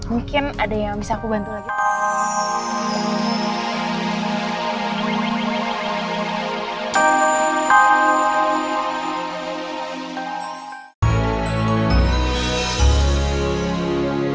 mungkin ada yang bisa aku bantu lagi